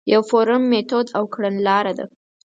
یو فورم، میتود او کڼلاره ده.